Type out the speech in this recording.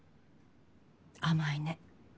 甘いね。